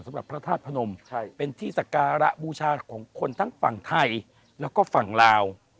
พระธาตุพนมเป็นที่สการะบูชาของคนทั้งฝั่งไทยแล้วก็ฝั่งลาว